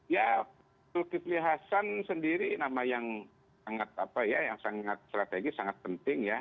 ya zulkifli hasan sendiri nama yang sangat strategis sangat penting ya